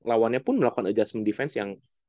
lawannya pun melakukan adjustment defense yang